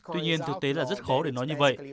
tuy nhiên thực tế là rất khó để đánh dấu